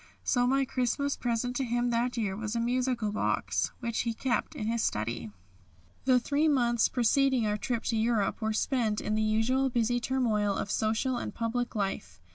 So my Christmas present to him that year was a musical box, which he kept in his study. The three months preceding our trip to Europe were spent in the usual busy turmoil of social and public life.